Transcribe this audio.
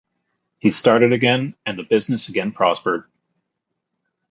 He started again and the business again prospered.